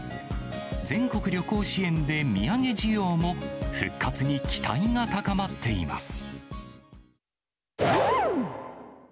全国旅行支援で土産需要も復活に期待が高まっています。